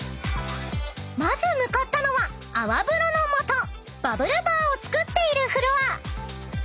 ［まず向かったのは泡風呂のもとバブルバーを作っているフロア］